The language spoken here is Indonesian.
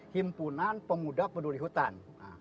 himpunan pemuda peduli hutan